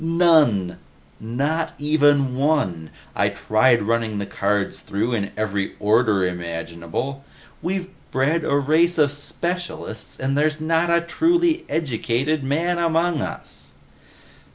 "None! Not even one! I tried running the cards through in every order imaginable. We've bred a race of specialists and there's not a truly educated man among us!"